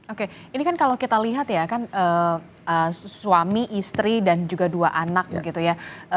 oke ini kan kalau kita lihat ya kan suami istri dan juga dua anak begitu ya